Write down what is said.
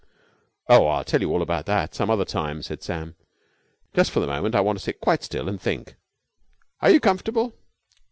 "Oh, I'll tell you all about that some other time," said Sam. "Just for the moment I want to sit quite still and think. Are you comfortable?